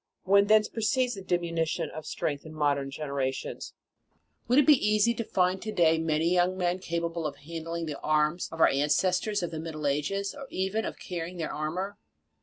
Whence, then, proceeds the diminution of strength in modern genera tions ? Would it be easy to find to day, many young men capable of handling the arms of our ancestors of the middle ages, or even of carrying their armor?